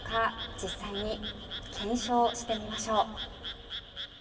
実際に検証してみましょう。